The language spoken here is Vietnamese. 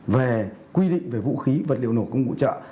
về quy định về vũ khí vật liệu nổ công cụ trợ